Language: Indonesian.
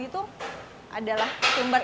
itu adalah sumber